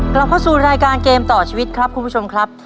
กลับเข้าสู่รายการเกมต่อชีวิตครับคุณผู้ชมครับ